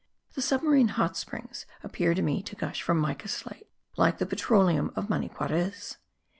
The submarine hot springs appeared to me to gush from mica slate like the petroleum of Maniquarez.